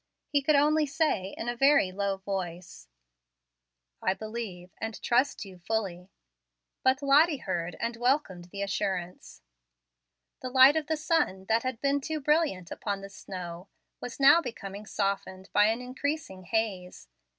He could only say in a very low voice, "I believe and trust you fully." But Lottie heard and welcomed the assurance. The light of the sun, that had been too brilliant upon the snow, was now becoming softened by an increasing haze.